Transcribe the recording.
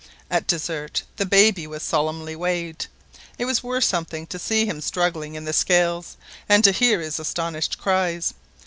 At dessert the baby was solemnly weighed. It was worth something to see him struggling in the scales, and to hear his astonished cries!